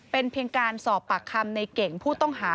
เป็นเพียงการสอบปากคำในเก่งผู้ต้องหา